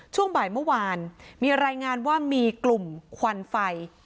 ช่วงบ่ายเมื่อวานมีรายงานว่ามีกลุ่มควันไฟ